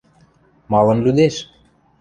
– Малын лӱдеш?